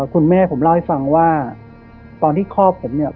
คุณแม่ผมเล่าให้ฟังว่าตอนที่คลอดผมเนี่ย